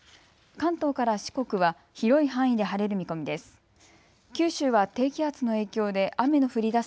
関東から四国は広い範囲で晴れる見込みです。